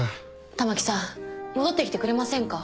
たまきさん戻ってきてくれませんか？